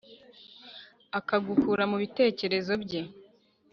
akagukura mu bitekerezo bye,